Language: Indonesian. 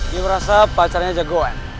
dia merasa pacarnya jagoan